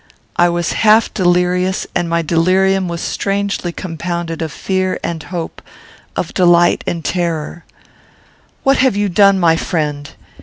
I was half delirious, and my delirium was strangely compounded of fear and hope, of delight and of terror. "What have you done, my friend?